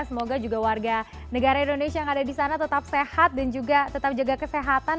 semoga juga warga negara indonesia yang ada di sana tetap sehat dan juga tetap jaga kesehatan